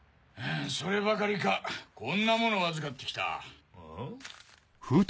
そればかりかこんなものを預かってきた。